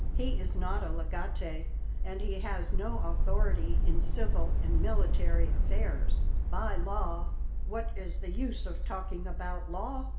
"He is not a Legate and has no authority in civil and military affairs. By law " "What is the use of talking about law?